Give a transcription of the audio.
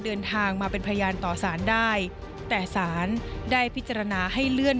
เดินทางมาเป็นพยานต่อสารได้แต่สารได้พิจารณาให้เลื่อน